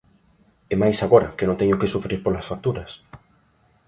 E máis agora, que non teño que sufrir polas facturas.